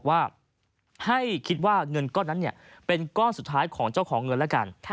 ว่าให้คิดว่าเงินก้อนนั้นเป็นก้อนสุดท้ายของเจ้าของเงินแล้วกัน